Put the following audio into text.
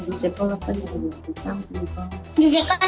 di sekolah kan ada di kampung